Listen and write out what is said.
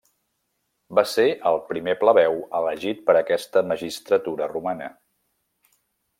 Va ser el primer plebeu elegit per aquesta magistratura romana.